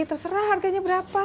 terserah harganya berapa